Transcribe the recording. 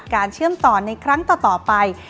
เชื่อมต่อในครั้งต่อไป